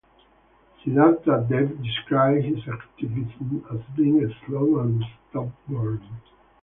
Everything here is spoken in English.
Siddhartha Deb described his activism as being slow and stubborn.